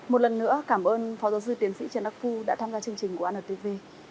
một lần nữa cảm ơn phó giáo sư tiến sĩ trần đắc phu đã tham gia chương trình của antv